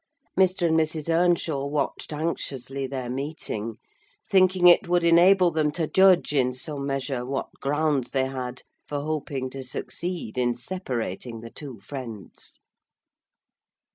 Mr. and Mrs. Earnshaw watched anxiously their meeting; thinking it would enable them to judge, in some measure, what grounds they had for hoping to succeed in separating the two friends.